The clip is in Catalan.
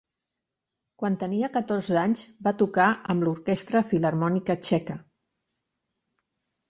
Quan tenia catorze anys va tocar amb l'Orquestra Filharmònica Txeca.